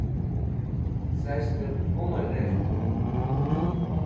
Sashtev Kumer rekhtu?